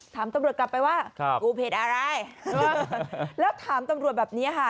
ถามตำรวจกลับไปว่ากูเพจอะไรแล้วถามตำรวจแบบนี้ค่ะ